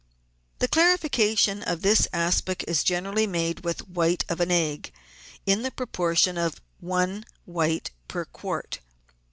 The clarification of this aspic is generally made with white of egg in the proportion of one white per quart.